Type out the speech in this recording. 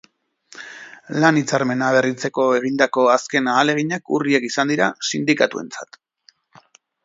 Lan hitzarmena berritzeko egindako azken ahaleginak urriak izan dira sindikatuentzat.